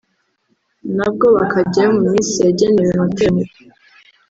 nabwo bakajyayo mu minsi yagenewe amateraniro